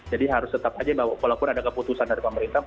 jadi harus tetap saja bahwa walaupun ada keputusan dari pemerintah